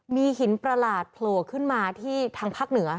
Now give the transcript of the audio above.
มีหินประหลาดโผล่ขึ้นมาที่ทางภาคเหนือ